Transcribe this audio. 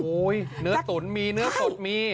โอ้โฮเนื้อตุ๋นมีเนื้อผดมี